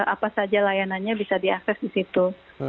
apa saja layanannya bisa diakses di situ